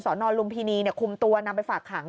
นลุมพินีคุมตัวนำไปฝากขัง